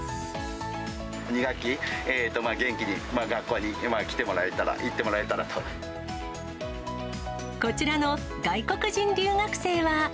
２学期、元気に学校に来てもこちらの外国人留学生は。